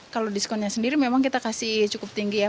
kalau diskonnya sendiri memang kita kasih cukup tinggi ya